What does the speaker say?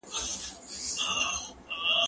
زه اوس درسونه لوستل کوم!؟